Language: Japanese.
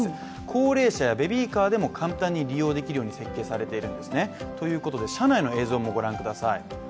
高齢者やベビーカーでも簡単に利用できるように設計されているんですね。ということで車内の映像もご覧ください。